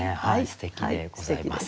すてきでございます。